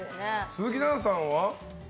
鈴木奈々さんは？